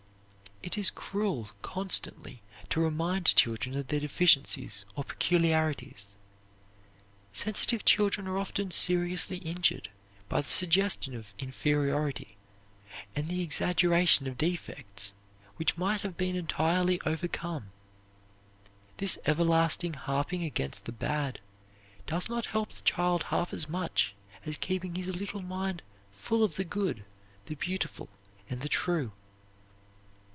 It is cruel constantly to remind children of their deficiencies or peculiarities. Sensitive children are often seriously injured by the suggestion of inferiority and the exaggeration of defects which might have been entirely overcome. This everlasting harping against the bad does not help the child half as much as keeping his little mind full of the good, the beautiful, and the true.